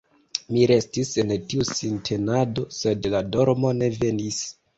Mi restis en tiu sintenado, sed la dormo ne venis.